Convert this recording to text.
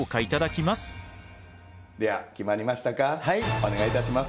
お願いいたします。